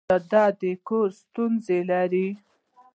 ایا د کور ستونزې لرئ؟